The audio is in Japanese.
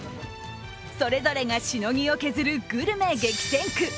それぞれがしのぎを削るグルメ激戦区。